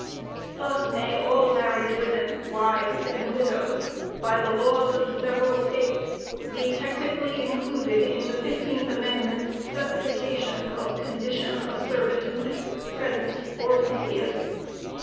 Thus may all married women, wives and widows, by the laws of the several States, be technically included in the fifteenth amendment's specification of "condition of servitude," present or previous.